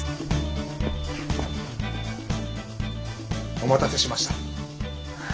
お待たせしました。